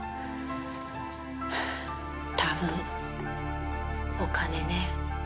多分お金ね。